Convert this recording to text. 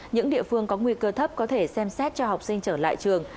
những địa phương có nguy cơ thấp có thể xem xét cho học sinh trở lại trường